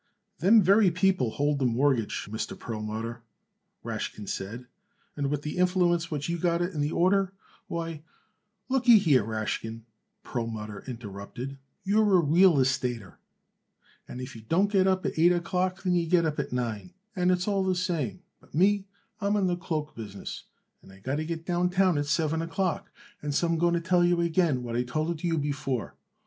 "Them very people hold the mortgage, Mr. Perlmutter," Rashkin said, "and with the influence what you got it in the order, why " "Lookyhere, Rashkin," Perlmutter interrupted, "you're a real estater, and if you don't get up at eight o'clock then you get up at nine, and it's all the same; but me, I am in the cloak business, and I got to get downtown at seven o'clock, and so I'm going to tell you again what I told it you before.